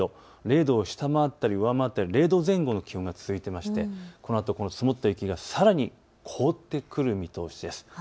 ０度を下回ったり、上回ったり、０度前後の気温が続いていましてこのあと積もった雪がさらに凍ってくる見通しです。